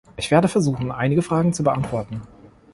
Ich werde versuchen, einige Frage zu beantworten.